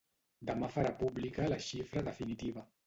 Demà farà pública la xifra definitiva.